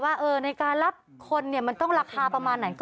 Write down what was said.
ว่าในการรับคนมันต้องราคาประมาณไหน